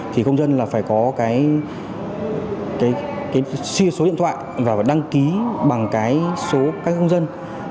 thì công dân là phải có cái sia số điện thoại và đăng ký bằng cái số các công dân